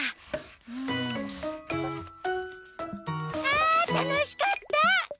あたのしかった！